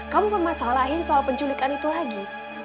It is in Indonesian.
kamu permasalahin soal penculikan itu lagi